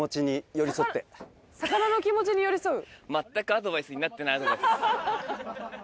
魚の気持ちに寄り添う？